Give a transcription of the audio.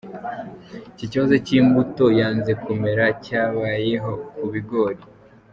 Ikibazo cy’imbuto yanze kumera cyabayeho ku bigori.